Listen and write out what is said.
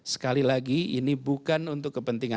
sekali lagi ini bukan untuk kepentingan